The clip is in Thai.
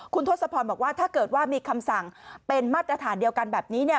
คุณทศพรบอกว่าถ้าเกิดว่ามีคำสั่งเป็นมาตรฐานเดียวกันแบบนี้เนี่ย